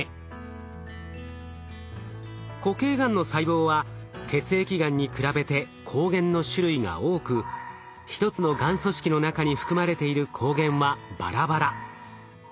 固形がんの細胞は血液がんに比べて抗原の種類が多く一つのがん組織の中に含まれている抗原はバラバラ。